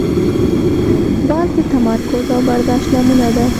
باز د تمرکز او برداشت نمونه ده